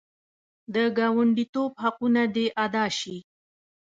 د ګاونډیتوب حقونه دې ادا شي.